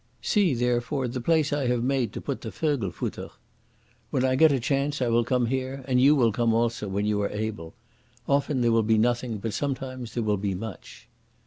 See, therefore, the place I have made to put the Vögelfutter. When I get a chance I will come here, and you will come also when you are able. Often there will be nothing, but sometimes there will be much."